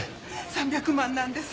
３００万なんです。